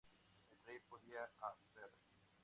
El rey pedía a fr.